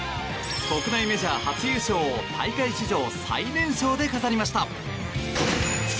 国内メジャー初優勝を大会史上最年少で飾りました。